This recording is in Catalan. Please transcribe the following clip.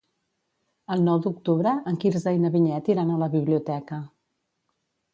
El nou d'octubre en Quirze i na Vinyet iran a la biblioteca.